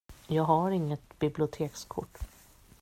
Jag har inget bibliotekskort.